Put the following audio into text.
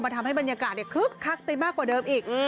ทำให้บรรยากาศคึกคักไปมากกว่าเดิมอีก